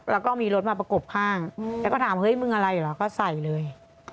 แล้วก็มีรถมาประกบข้างแล้วก็ถามเฮ้ยมึงอะไรเหรอก็ใส่เลย